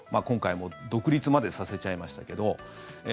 今回、もう独立までさせちゃいましたけど。